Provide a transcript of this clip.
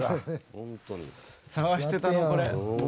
探してたのこれ。